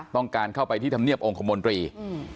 ต้องการเข้าไปที่ธรรมเนียบองคมนตรีอืม